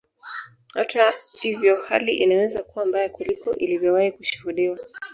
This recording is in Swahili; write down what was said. Hata ivyo hali inaweza kuwa mbaya kuliko ilivyowahi kushuhudiwa